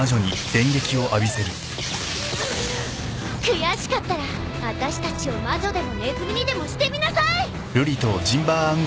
悔しかったらあたしたちを魔女でもネズミにでもしてみなさい！